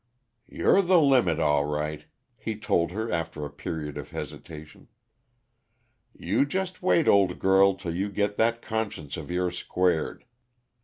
"You're the limit, all right," he told her after a period of hesitation. "You just wait, old girl, till you get that conscience of yours squared!